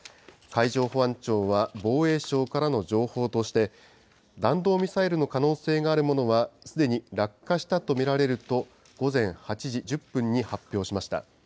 海上保安庁は防衛省からの情報として、弾道ミサイルの可能性があるものは、すでに落下したと見られると、午前８時１０分に発表しました。